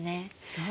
そう。